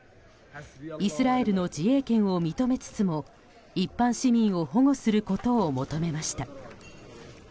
イスラエルの自衛権を認めつつも一般市民を保護することを求めました。